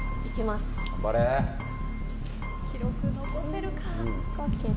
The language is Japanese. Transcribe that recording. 記録を残せるか。